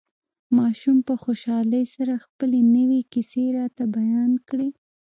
ماشوم په خوشحالۍ سره خپلې نوې کيسې راته بيان کړې.